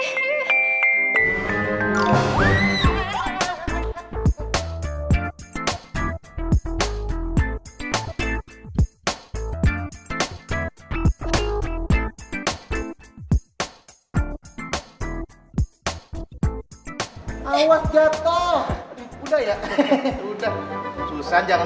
jadi gue ikutan juga